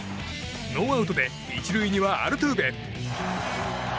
ノーアウトで１塁にはアルトゥーベ。